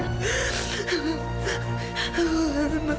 kamu jangan lupa ibu